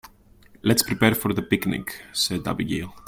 "Let's prepare for the picnic!", said Abigail.